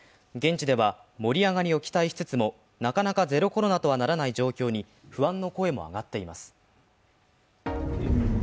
現地では盛り上がりを期待しつつもなかなかゼロコロナとはならない状況に不安の声も上がっています。